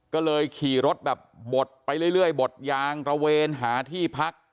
ก็เลยขี่รถแบบบดไปเรื่อยบดยางตระเวนหาที่พัก